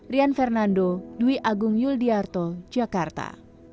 rian fernando dwi agung yul diyarto jakarta